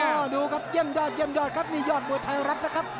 อ้าาดูครับเยี่ยมครับนี่ยอดถวยไทยรัตรนะครับ